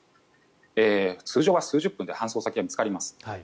通常は数十分で搬送先が見つかります。